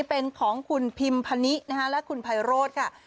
เป็นของคุณพิมพนิและคุณไพโรธค่ะ